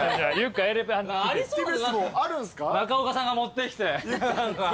ありそう中岡さんが持ってきて。